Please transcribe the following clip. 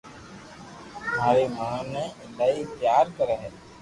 ماري ماِہ مني ايلائي پيار ڪري ھي